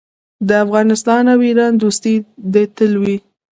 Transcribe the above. د افغانستان او ایران دوستي دې تل وي.